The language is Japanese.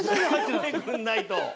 取ってくんないと。